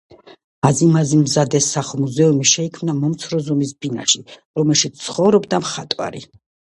აზიმ აზიმზადეს სახლ-მუზეუმი შეიქმნა მომცრო ზომის ბინაში, რომელშიც ცხოვრობდა მხატვარი.